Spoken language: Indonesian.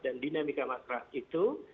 dan dinamika masyarakat itu